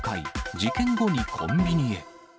事件後にコンビニへ。